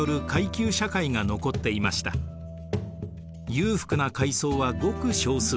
裕福な階層はごく少数。